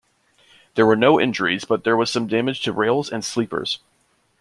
There were no injuries, but there was some damage to rails and sleepers.